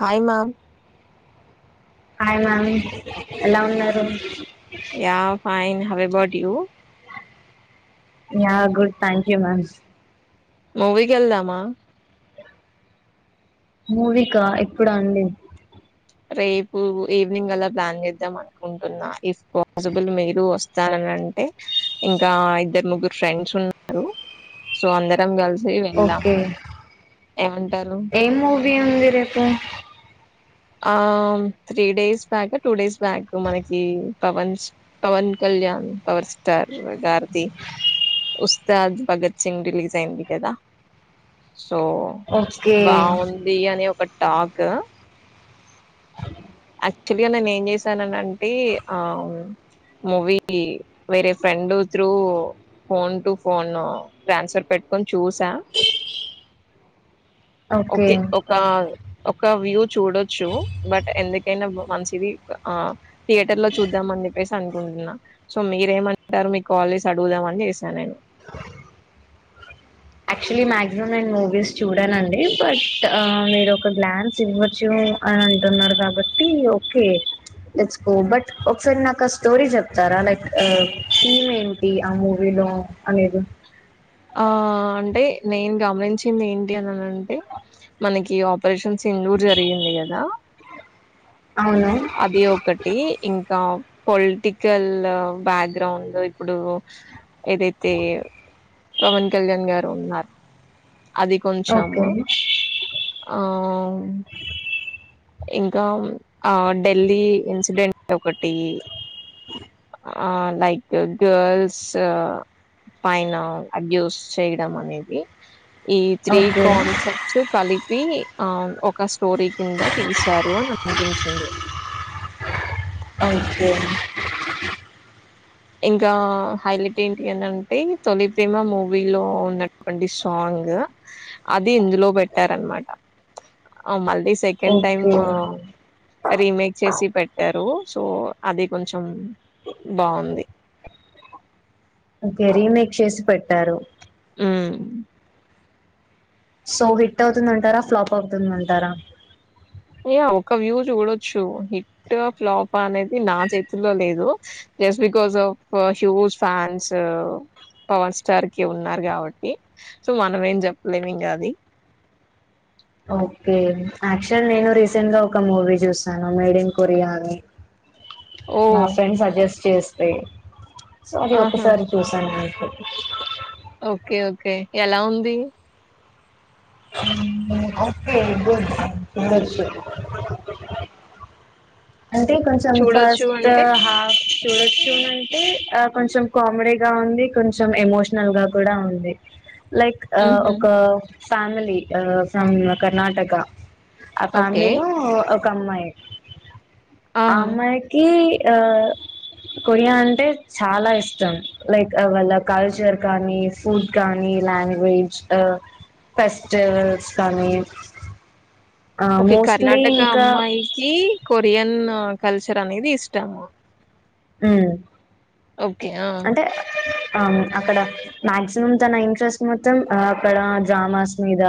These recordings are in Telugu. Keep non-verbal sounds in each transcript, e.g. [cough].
హాయ్ మ్యామ్ హాయ్ మ్యామ్ ఎలా ఉన్నారు ఆ fine how about you yeah good thank you ma'am మూవీకి వెళ్దామా మూవీక ఇప్పుడ అండి రేపు ఈవినింగ్ అలా ప్లాన్ చేద్దాం అనుకుంటున్నా ఇఫ్ పాసిబుల్ మీరు వస్తారనండి ఇంకా ఇద్దరు ముగ్గురు ఫ్రెండ్స్ ఉన్నారు సో అందరం కలిసి ఓకే వెళ్దామా ఏమంటారు ఏం మూవీ ఉంది రేపు ఆ three days back two days back మనకి పవన్ పవన్ కళ్యా కళ్యాణ్ పవర్ స్టార్ గార్ వస్తాదు భగత్ సింగ్ రిలీజ్ అయింది కదా సో ఓకే బాగుంది అని ఒక టాక్ యాక్చువల్గా నేను ఏం చేశాననంటే ఆ మూవిీ వేరే friend through phone to phone transfer పెట్టుకొని చూసా ఓకే ఒక ఒక వ్యూ చూడొచ్చు బట్ ఎందుకు ఎ మంచిది ఆ థియేటర్ లో చూద్దాం అని చెప్పేసి అనుకుంటున్నా సో మీరేమంటారు మీకు కాల్ చేసే అడుగుదాంని చేసాను నేను యాక్చువల్లీ మా్యాక్సిమం నేను మూవీస్ చూడానండి బట్ మీరు ఒక గ్లాన్స్ ఇ్వంచం అని అంటున్నారు కాబట్టి ఓకే లెట్స్ గో బట్ ఒకసారి నాకు ఆ స్టోరీ చెప్తారా లైక్ థీమ్ ఏంటి ఆ మూవీ అనేది ఆ అంటే నేను గమనించింది ఏంటి అని అనంటే మనకి పషన్ సిధూరు జరిగింది కదా అవును అది ఒకటి ఇంకా పొలిటికల్ బ్యాక్గ్రౌండ్ ఇప్పుడు ఏదైతే పవన్ కళ్యాణ్ గారు ఉన్నారు అది ఓకే కొంచము ఆ అవును ఇంకా ఆ ఢిల్లీ ఇన్సిడెంట్ ఒకటి లైక్ గర్ల్స్ పైన అడ్యూస్ చేయడం అనేది ఈ త్రీ ఓకే కాన్సెప్ట్స్ కలిపి ఆ ఒక స్టోరీ కింద తీశారు అని అనిపించింది అంతే ఇంకా హైలైట్ ఏంటి అనంటే తొలి ప్రేమ మూవీ లో ఉన్నటువంటి సాంగ్ అది ఇందులో పెట్టారన్నమాట [unintelligible] సెకండ్ టైమ్ ఓకే రీమేక్ చేసి పెట్టారు సో అది కొంచెం బాగుంది ఒకే రీమేక్ చేసి పెట్టారు ఆమ్ సో హిట్ అవుతుందంటారా ఫ్లాప్ అవుతుందంటారా యా ఒక వ్యూ చూడొచ్చు హిట్ ఫ్లాప్ అనేది నా చేతుల్లో లేదు just because of huge fans power star కి ఉన్నారు కాబట్టి సో మనం ఏం చెప్పలేము ఇంకా అది [inaudible] ఓకే యాక్చువల్ నేను రీసెంట్ గా ఒక మూవీ చూసాను మేడ్ ఇన్ కొరియా అని ఓ నా ఫ్రెండ్ సజెస్ట్ చేస్తే సో అది ఆహా ఒకసారి చూసాను అ [inaudible] ఓకే ఓకే ఎలా ఉంది అ బ సర [inaudible] అంటే కొంచెం చూడొచ్చు ఫస్ట్ అంటే హఫ్ చూడొచ్చుంటే ఆ కొంచెం కామెడీగా ఉంది కొంచెం ఎమోషనల్ గా కూడా ఉంది లైక్ ఉహు ఒక ఫ్యామిలీ ఫ్రమ్ కర్ణాటక ఆ ఓకే ఫ్యామిలీలో ఒక అమ్మాయి ఆ ఆహా! అమ్మాయికి ఆ కొరియా అంటే చాలా ఇష్టం లైక్ వాళ్ళ కల్చర్ కానీ ఫుడ్ కానీ ఈ లాంగ్వేజ్ ఫెస్టివల్స్ కానీ ఆ ఓకే మోస్ట్లీ కర్ణాటక ఇంకా అమ్మాయికి కొ బియన్ను కల్చర్ అనేది ఇష్టము ఉమ్ ఓకే. ఆ! అంటే అవును అక్కడ మాక్సిమం తన ఇంట్రెస్ట్ మొత్తం అక్కడ డ్రామాస్ మీద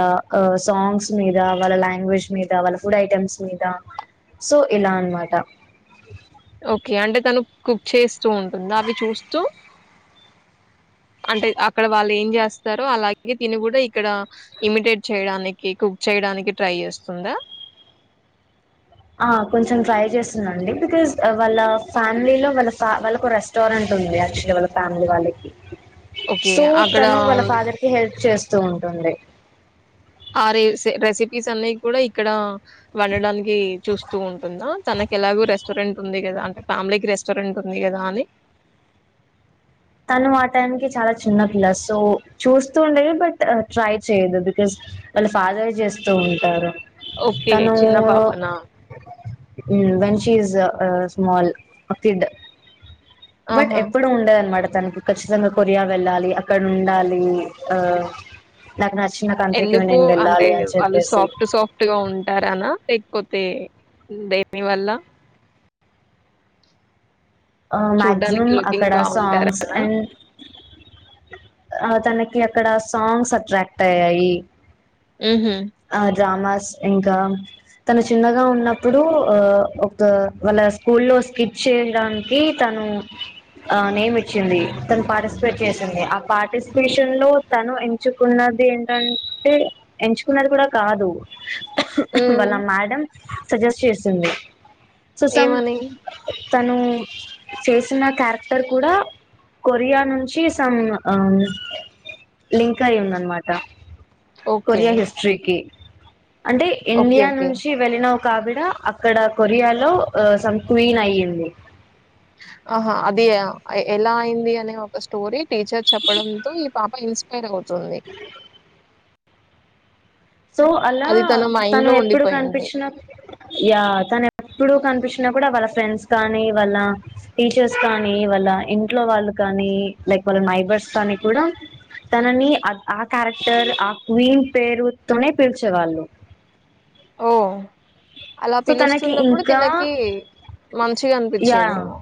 సాంగ్స్ మీద వాళ్ళ లాంగ్వేజ్ మీద వాళ్ళ ఫుడ్ ఐటెమ్స్ మీద సో ఇలా అన్ మాట ఓకే అంటే తను కుక్ చేస్తూ ఉంటుందా అవి చూస్తూ అంటే అక్కడ వాళ్ళు ఏం చేస్తారో అలాగే దీన్ని కూడా ఇక్కడ ఇమిటేట్ చేయడానికి కుచ చేయడానికి ట్రై చేస్తుందా ఆ కొంచెం ట్రై చేస్తుందండి బికాజ్ వాళ్ళ ఫ్యామిలీలో వాళ్ళ వాళ్ళ ఒక రెస్టారెంట్ [unintelligible] యాక్టువల్ వాళ్ళ ఫ్యామి వాళ్ళకి ఓకే. సో అక్కడ తను వాళ్ళ ఫాదర్ కి హెల్ప్ చేస్ చేస్తూ ఉంటుంది ఆ ర రెసిపీస్ అన్నీ కూడా ఇక్కడ వండడానికి చూస్తూ ఉంటుందా తనకి ఎలాగో రెస్టారెంట్ ఉంది కదా అన్ ఫ్యామిలీకి రెస్టారెంట్ ఉంది గదా అని తను ఆటయానికి చాలా చిన్న పిల్ల సో చూస్తూ ఉండేది బట్ ట్రై చేయదు బికాస్ వాళ్ళ ఫాదరే జేస్తూ ఉంటారు ఓకే. తనూ చిన్న పాపనా? When she is a small uh kid but ఆహా ఎప్పుడు ఉండదనమాట తనకు ఖచ్చితంగా కొరియా వెళ్ళాలి అక్కడ ఉండాలి ఆ నాకు నచ్చిన కంట్రీకి ఎందుకు నేను అంటే వెళ్ళాలి అని వాళ్ళు చెప్పేసి సాఫ్ట్ సాఫ్ట్ గా ఉంటారనా లెక్ పోతె బేబి వల్ల ఆ చూడ్డానికి మ్యాగ్జిమం లుకింగ్ అక్కడ సాంగ్స్ బాగుంటారనా అండ్ ఆ తనకి అక్కడ సాంగ్స్ అట్రాక్ట్ అయ్యాయి ఉహు ఆ డ్రామాస్ ఇంకా తను చిన్నగా ఉన్నప్పుడు ఆ ఒక వాళ్ళ స్కూల్ లో స్కిట్ చేయడానికి కి తను ఆ నేమ్ ఇచ్చింది తను పార్టిసిపేట్ చేసింది అ పార్టిసిపేషన్ లో తను ఎంచుకున్నది ఏంటంటే ఎంచుకున్నది కూడా కాదు ఉమ్ వాళ్ళ మేడం సజెస్ట్ చేసింది సో సమ్ ఏమని తను చేసిన క్యారెక్టర్ కూడా కొరియా నుంచి సమ్ ఆ మ్ లింక్ అయి ఉందనమాట ఓకే కొరియా హిస్టరీకి అంటే ఓకే ఇండియా ఓకే నుంచి వెళ్ళిన ఒక ఆవిడ అక్కడ కొరియాలో సమ్ క్వీన్ అయ్యింది ఆహా అది ఎలా అయింది అనే ఒక స్టోరీ టీచర్ చెప్పడంతో ఈ పాప ఇన్స్పైర్ అవుతుంది సో అలా అది తన మైండ్ తను లో ఎప్పుడు ఉండిపోయింది కనిపించిన యా తను ఎప్పుడు కనిపించ్ పించిన కూడా వాళ్ళ ఫ్రెండ్స్ కానీ వాళ్ళ టీచర్స్ కానీ వాళ్ళ ఇంట్లో వాళ్ళు కానీ లైక్ వాళ్ళ నైబర్స్ తని కూడా తనని ఆ క్యారెక్టర్ ఆ క్వీన్ పేరు తొనె పిల్చెవాళ్ళు ఓ అలా తనకి పిలుస్తున్నప్పుడు ఇంకా తినకి మంచిగా యా అనిపిచ్చేదేమో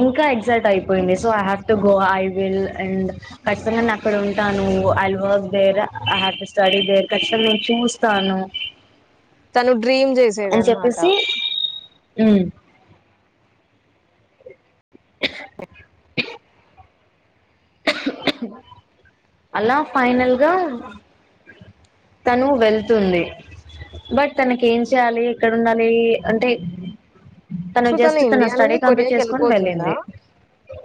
ఇంకా ఎగ్జైట్ అయిపోయింది so I have to go I will and ఖచ్చితంగా నే అక్కడ ఉంటాను [unintelligible] హర్ స్టడీ దెర్ ఖచ్చితంగా నేను చూస్తాను తను డ్రీమ్ జేసేదనమాట ఉమ్ ఉహు ఉహు ఉహు ఉహు అలా ఫైనల్ గా తను వెళ్తుంది బట్ తనకి ఏం చేయాలి ఎక్కడ ఉండాలి అంటే తను సో జస్ట్ తన ఇండియా స్టడీ నుండి కంప్లీట్ కొరియాకి చేసుకొని వెళ్ళిపోతుందా వెళ్ళింది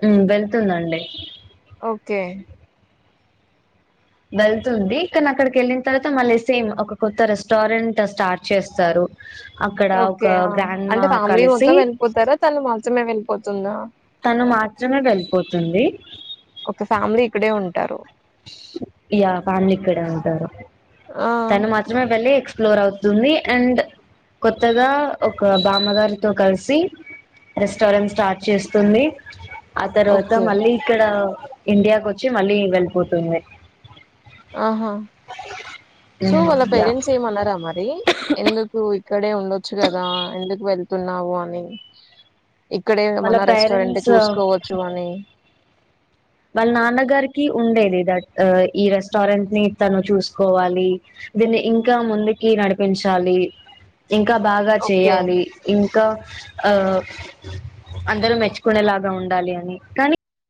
ఉమ్ వెళ్తుందండి ఓకే వెళ్తుంది కాని అక్కడికి యెళ్ళిన తర్వాత మళ్ళీ సేమ్ ఒక కొత్త రెస్టారెంట్ స్టార్ట్ చేస్తారు అక్కడ ఓకే. ఒక ఆ! గ్రాండ్ అంటే మా ఫ్యామిలీ కలిసి మొత్తం వెళ్ళిపోతారా? తను మాత్రమే వెళ్ళిపోతుందా? తను మాత్రమే వెళ్ళిపోతుంది ఓకే. ఫ్యామిలీ ఇక్కడే ఉంటారు. యా ఫ్యామిలీ ఇక్కడే ఉంటారు ఆ! తను మాత్రమే వెళ్ళి ఫ్లోర్ అవుతుంది అండ్ కొత్తగా ఒక బామ్మగారితో కలిసి రెస్టారెంట్ స్టార్ట్ చేస్తుంది ఆ తర్వాత ఓకే. మళ్ళీ ఇక్కడ ఇండియాకొచ్చి మళ్ళీ వెళ్ళిపోతుంది ఆహా సో వాళ్ళ యా పేరెంట్స్ ఏమనరా మరి ఎందుకు ఇక్కడే ఉండొచ్చు గదా ఎందుకు వెళ్తున్నావు అని ఇక్కడే వాళ్ళ మన రెస్టారెంట్ పేరెంట్స్ చూసుకోవచ్చు అని వాళ్ళ నాన్నగారికి ఉండేది దట్ ఈ రెస్టారెంట్ ని తను చూసుకోవాలి దీన్ని ఇంకా ముందుకి నడిపించాలి ఇంకా బాగా ఓకే. చేయాలి ఇంకా ఆ అందరూ మెచ్చుకునేలాగా ఉండాలి అని కానీ